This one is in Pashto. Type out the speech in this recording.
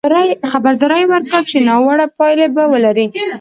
خبرداری یې ورکړ چې ناوړه پایلې به ولري.